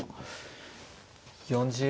４０秒。